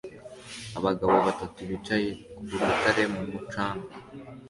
Abagabo batatu bicaye ku rutare mu mucanga